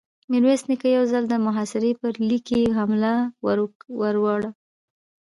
ميرويس نيکه يو ځل د محاصرې پر ليکې حمله ور وړه.